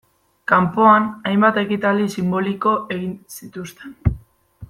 Kanpoan, hainbat ekitaldi sinboliko egin zituzten.